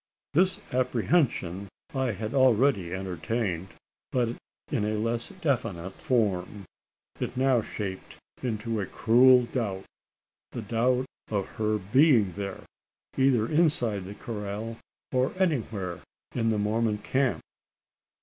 This apprehension I had already entertained, but in a less definite form. It now shaped itself into a cruel doubt the doubt of her being there either inside the corral, or anywhere in the Mormon camp!